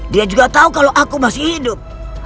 dia juga tahu kalau aku masih hidup